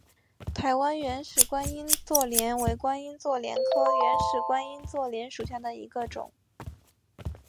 台湾原始观音座莲为观音座莲科原始观音座莲属下的一个种。